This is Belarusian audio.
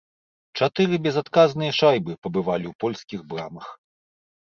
Чатыры безадказныя шайбы пабывалі ў польскіх брамах.